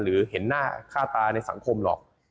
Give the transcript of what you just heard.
เห็นหน้าค่าตาในสังคมหรอก